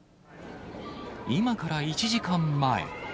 今から１時間前。